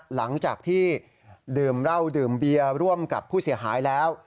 หลังจากที่ดื่มเหล้าดื่มเบียร์ร่วมกับผู้เสียหายแล้ว